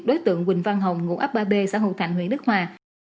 đối tượng quỳnh văn hồng ngũ ấp ba b xã hữu thạnh nguyễn đức hòa